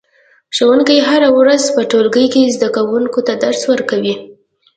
ښوونکی هره ورځ په ټولګي کې زده کوونکو ته درس ورکوي